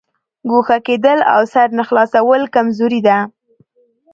ګوښه کېدل او سر نه خلاصول کمزوري ده.